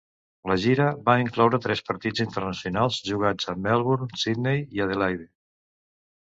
La gira va incloure tres partits internacionals jugats a Melbourne, Sydney i Adelaide.